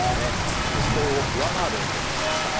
予想を上回るエントリーになりました。